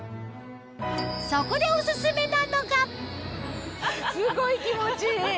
そこでオススメなのがすごい気持ちいい！